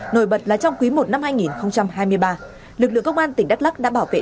nổi bật là trong quý i năm hai nghìn hai mươi ba lực lượng công an tỉnh đắk lắc đã bảo vệ